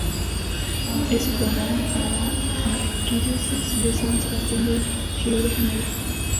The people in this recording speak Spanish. Es sufragánea ala Arquidiócesis de San Sebastián de Río de Janeiro.